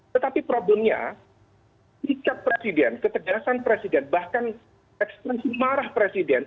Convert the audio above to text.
tetapi problemnya sikap presiden ketegasan presiden bahkan ekspresi marah presiden